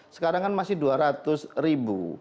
sekarang kan masih dua ratus ribu